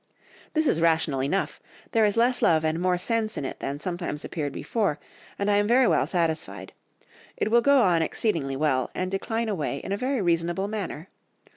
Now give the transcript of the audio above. This is rational enough; there is less love and more sense in it than sometimes appeared before, and I am very well satisfied. It will go on exceedingly well, and decline away in a very reasonable manner.